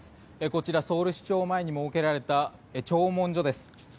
こちら、ソウル市庁前に設けられた弔問所です。